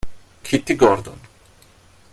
Kitty Gordon